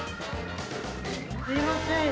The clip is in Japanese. すみません。